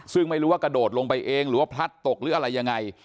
ซึ่งไม่รู้ว่ากระโดดลงไปเองหรือว่าพลัดตกหรืออะไรยังไง